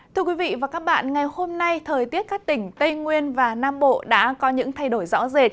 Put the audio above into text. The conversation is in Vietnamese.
thưa quý vị và các bạn ngày hôm nay thời tiết các tỉnh tây nguyên và nam bộ đã có những thay đổi rõ rệt